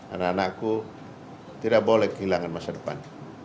anak anakku tidak boleh kehilangan masa depan